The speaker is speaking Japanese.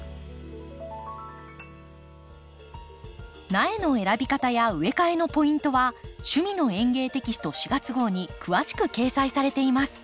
苗の選び方や植え替えのポイントは「趣味の園芸」テキスト４月号に詳しく掲載されています。